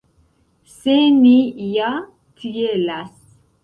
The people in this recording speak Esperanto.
Se ni ja tielas.